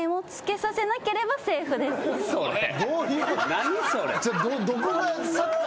何それ？